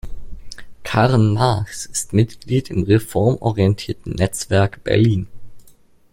Caren Marks ist Mitglied im reformorientierten Netzwerk Berlin.